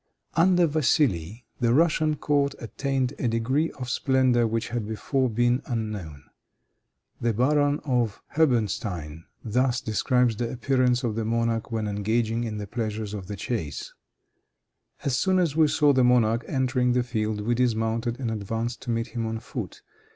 Under Vassili, the Russian court attained a degree of splendor which had before been unknown. The Baron of Herberstein thus describes the appearance of the monarch when engaging in the pleasures of the chase: "As soon as we saw the monarch entering the field, we dismounted and advanced to meet him on foot.